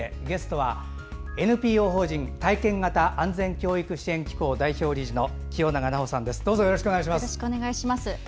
ゲストはＮＰＯ法人体験型安全教育支援機構代表理事の清永奈穂さんです。